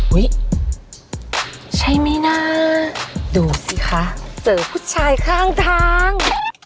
อุ๊ยใช่มั้ยน่าดูสิคะเจอผู้ชายข้างทาง